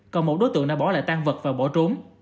còn một đối tượng đã bỏ lại tan vật và bỏ trốn